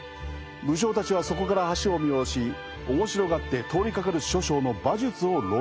武将たちはそこから橋を見下ろし面白がって通りかかる諸将の馬術を論じていた。